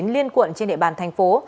liên cuộn trên địa bàn thành phố